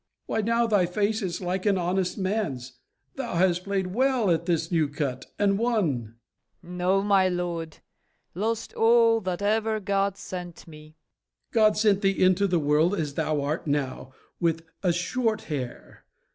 Why, now thy face is like an honest man's: Thou hast played well at this new cut, and won. FAULKNER. No, my lord; lost all that ever God sent me. MORE. God sent thee into the world as thou art now, With a short hair.